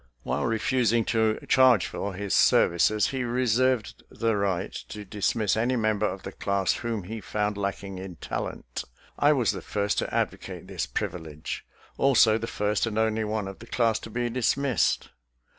While refusing to charge for his services, he reserved the right to dismiss any member of the class whom he found lacking in talent. I was the first to advocate this privilege, also the first and only one of the class to be dismissed.